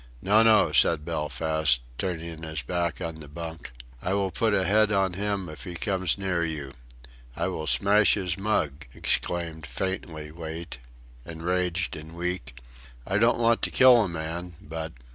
"No, no," said Belfast, turning his back on the bunk, "I will put a head on him if he comes near you." "I will smash his mug!" exclaimed faintly Wait, enraged and weak; "I don't want to kill a man, but..."